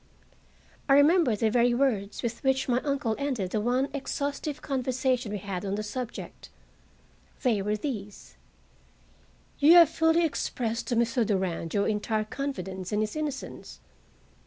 I remember the very words with which my uncle ended the one exhaustive conversation we had on the subject. They were these: "You have fully expressed to Mr. Durand your entire confidence In his Innocence.